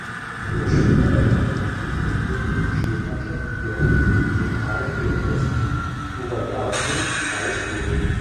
Yoshida erlernte das Fußballspielen in der Schulmannschaft der Tokai University Urayasu High School.